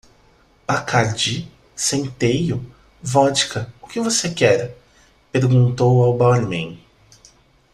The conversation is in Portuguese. "Bacardi? centeio? vodka - o que você quer?"? perguntou ao barman.